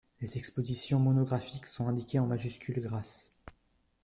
Les expositions monographiques sont indiquées en majuscules grasses.